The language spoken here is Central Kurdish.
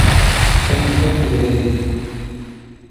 خەمی خەڵکی لەبەر بوو